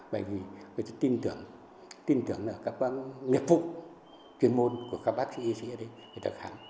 bởi vì người ta tin tưởng tin tưởng là các bác nghiệp phục chuyên môn của các bác sĩ y sĩ ở đây người ta khám